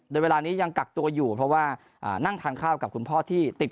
โดยเวลานี้ยังกักตัวอยู่เพราะว่านั่งทานข้าวกับคุณพ่อที่ติด